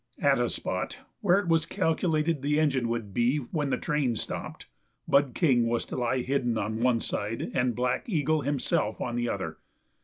At a spot where it was calculated the engine would be when the train stopped, Bud King was to lie hidden on one side, and Black Eagle himself on the other.